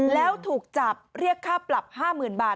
แล้วถูกจับเรียกค่าปรับ๕๐๐๐บาท